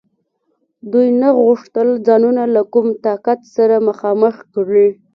دوی نه غوښتل ځانونه له کوم طاقت سره مخامخ کړي.